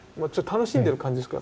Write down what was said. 楽しんでる感じですか？